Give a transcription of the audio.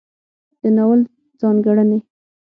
د ناول ځانګړنې